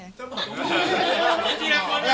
เยอะจริงหอมเลย